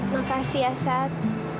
makasih ya sat